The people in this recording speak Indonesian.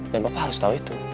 dan papa harus tau itu